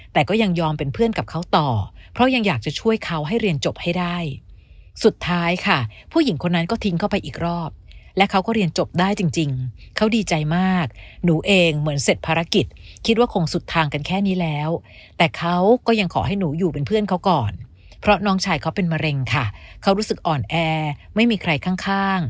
แต่ก็ยังยอมเป็นเพื่อนกับเขาต่อเพราะยังอยากจะช่วยเขาให้เรียนจบให้ได้สุดท้ายค่ะผู้หญิงคนนั้นก็ทิ้งเข้าไปอีกรอบและเขาก็เรียนจบได้จริงเขาดีใจมากหนูเองเหมือนเสร็จภารกิจคิดว่าคงสุดทางกันแค่นี้แล้วแต่เขาก็ยังขอให้หนูอยู่เป็นเพื่อนเขาก่อนเพราะน้องชายเขาเป็นมะเร็งค่ะเขารู้สึกอ่อนแอไม่มีใครข้างข้าง